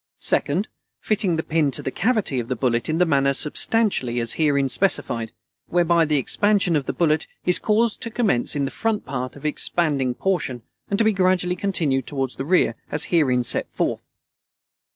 Second, fitting the pin to the cavity of the bullet in the manner substantially as herein specified, whereby the expansion of the bullet is caused to commence in the front part of its expanding portion and to be gradually continued toward the rear as herein set forth.